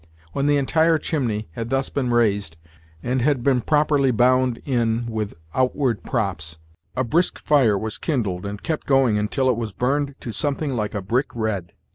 When the entire chimney had thus been raised, and had been properly bound in with outward props, a brisk fire was kindled, and kept going until it was burned to something like a brick red.